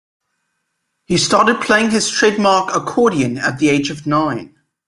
He started playing his trademark accordion at the age of nine.